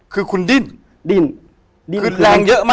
คือคุณดิ้นดิ้น